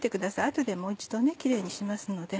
後でもう一度キレイにしますので。